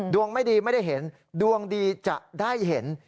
ดวงไม่ดีไม่ได้เห็นดวงดีจะได้เห็น